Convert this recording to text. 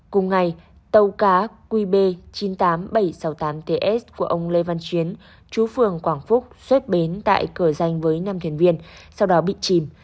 cùng ngày tàu cá qb chín mươi tám nghìn bảy trăm sáu mươi tám ts của ông lê văn chuyến chú phường quảng phúc xuất bến tại cửa danh với năm thuyền viên sau đó bị chìm